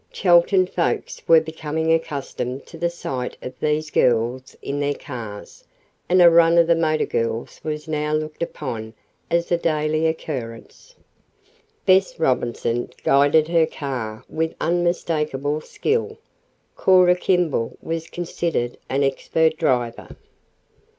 Chelton folks were becoming accustomed to the sight of these girls in their cars, and a run of the motor girls was now looked upon as a daily occurrence. Bess Robinson guided her car with unmistakable skill Cora Kimball was considered an expert driver.